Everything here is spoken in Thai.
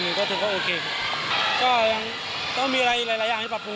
นี้ก็ถึงก็โอเคก็ยังต้องมีอะไรหลายอย่างที่ปรับภูมิ